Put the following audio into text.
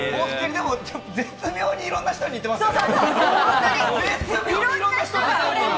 絶妙にいろんな人に似てますよね。